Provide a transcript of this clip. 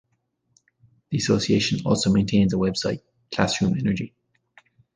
The association also maintains a website, Classroom Energy.